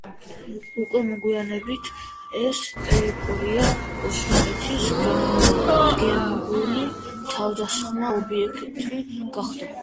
უკვე მოგვიანებით ეს ტერიტორია ოსმალეთის გამუდმებული თავდასხმის ობიექტი გახდა.